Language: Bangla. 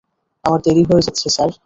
আমার দেরি হয়ে যাচ্ছে, স্যার।